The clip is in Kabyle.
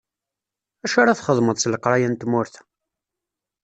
Acu ara txedmeḍ s leqraya n tmurt-a?